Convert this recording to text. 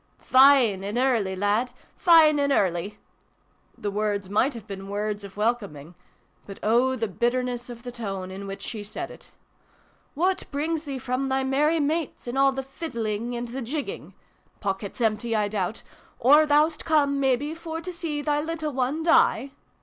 " Fine an' early, lad ! Fine an' early !" The words might have been words of welcoming, but oh, the bitterness of the tone in which she said it ! "What brings thee from thy merry mates, and all the fiddling and the jigging ? Pockets empty, I doubt ? Or thou'st come, mebbe, for to see thy little one die